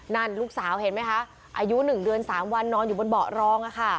นั่นลูกสาวเห็นไหมคะอายุ๑เดือน๓วันนอนอยู่บนเบาะรอง